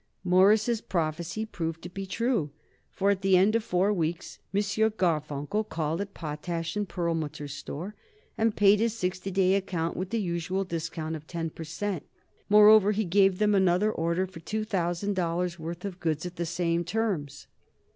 Morris' prophecy proved to be true, for at the end of four weeks M. Garfunkel called at Potash & Perlmutter's store and paid his sixty day account with the usual discount of ten per cent. Moreover, he gave them another order for two thousand dollars' worth of goods at the same terms.